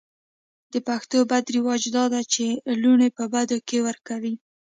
د پښتو بد رواج دا ده چې لوڼې په بدو کې ور کوي.